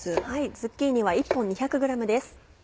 ズッキーニは１本２００ｇです。